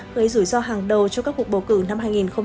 gây rủi ro hàng đầu cho các cuộc bầu cử năm hai nghìn hai mươi bốn